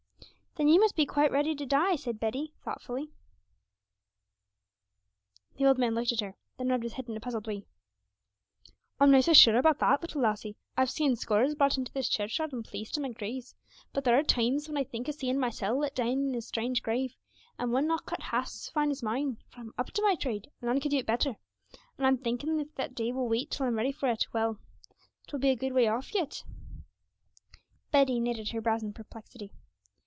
'Then you must be quite ready to die?' said Betty, looking at him thoughtfully. The old man looked at her; then rubbed his head in a puzzled way. 'I'm no so sure about that, little lassie; I've seen scores brought into this churchyard and placed in my graves, but there are toimes when I think o' seeing mysel' let down into a strange grave, and one not cut half so foine as mine, for I'm up to my trade, and none could do it better, and I'm thinkin' if that day will wait till I'm ready for it; well 'twill be a good way off yet!' Betty knitted her brows in perplexity.